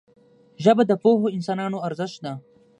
ژبه د پوهو انسانانو ارزښت ده